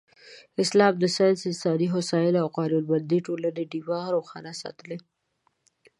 اسلام د ساینس، انساني هوساینې او قانونمندې ټولنې ډېوه روښانه ساتلې.